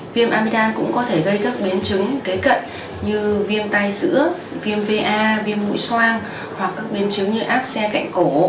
viêm amidam cũng có thể gây các biến chứng kế cận như viêm tai giữa viêm va viêm mũi soang hoặc các biến chứng như áp xe cạnh cổ